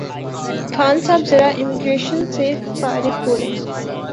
خان صاحب ذرا امیگریشن سے فارغ ہولیں